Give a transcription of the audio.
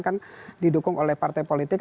kan didukung oleh partai politik